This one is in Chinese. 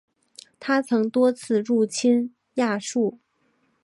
他曾多次入侵亚述。